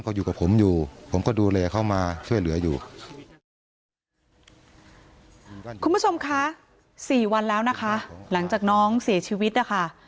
คุณผู้ชมคะสี่วันแล้วนะคะหลังจากน้องเสียชีวิตนะคะ